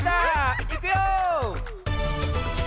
いくよ！